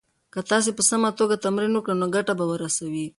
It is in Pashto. که تاسي په سمه توګه تمرین وکړئ نو ګټه به ورسوي.